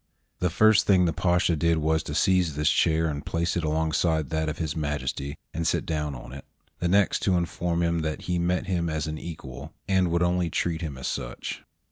The first thing the Pasha did was to seize this chair and place it alongside that of His Majesty, and sit down on it; the next to inform him that he met him as an equal, and would only treat him as such.